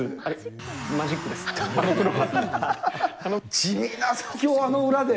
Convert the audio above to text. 地味な作業をあの裏で？